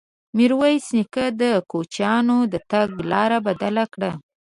ميرويس نيکه د کوچيانو د تګ لاره بدله کړه.